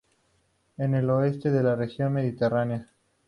En el oeste de la región mediterránea.